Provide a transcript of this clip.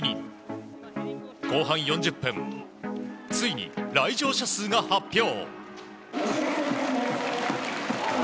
後半４０分ついに来場者数が発表。